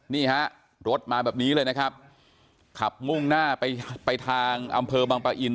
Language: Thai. นี่ฮะรถมาแบบนี้เลยนะครับขับมุ่งหน้าไปไปทางอำเภอบังปะอิน